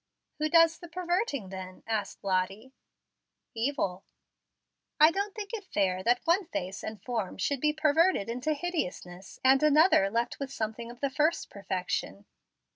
"Who does the perverting, then?" asked Lottie. "Evil." "I don't think it fair that one face and form should be perverted into hideousness, and mother left with something of the first perfection."